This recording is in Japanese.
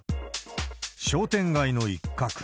商店街の一角。